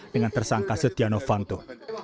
dengan tersangka setinovanto